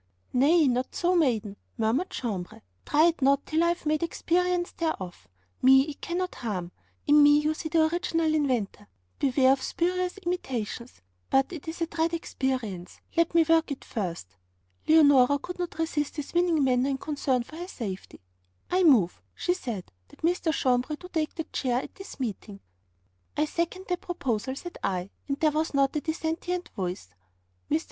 'Nay, not so, maiden,' murmured Jambres, 'try it not till I have made experience thereof. Me it cannot harm; in me you see the original inventor; beware of spurious imitations. But it is a dread experience; let me work it first!' Leonora could not resist his winning manner and concern for her safety. 'I move,' she said, 'that Mr. Jambres do take the chair at this meeting.' 'I second that proposal,' said I, and there was not a dissentient voice. 'Mr.